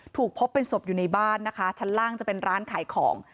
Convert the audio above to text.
ถูกพบเป็นศพอยู่ในบ้านนะคะชั้นล่างจะเป็นร้านขายของ